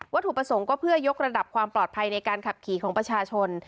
ถูกประสงค์ก็เพื่อยกระดับความปลอดภัยในการขับขี่ของประชาชน